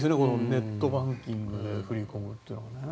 ネットバンキングで振り込むというのはね。